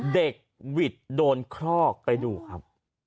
หวิดโดนคลอกไปดูครับ